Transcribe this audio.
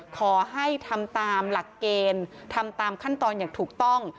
ขอให้ทำตามหลักเกณฑ์ทำตามขั้นตอนอย่างถูกต้อง